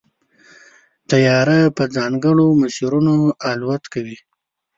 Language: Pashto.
طیاره په ځانګړو مسیرونو الوت کوي.